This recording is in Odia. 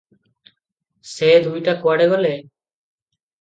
ସେ ଦୁଇଟା କୁଆଡ଼େ ଗଲେ?